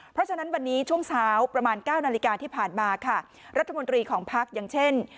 เพราะฉะนั้นวันนี้ช่วงเช้าประมาณ๙นาฬิกาที่ผ่านมาค่ะรัฐมนตรีของพักอย่างเช่น